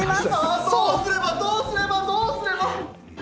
ああ、どうすればどうすれば、どうすれば！